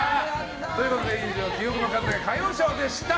ということで以上記憶の数だけ歌謡ショーでした。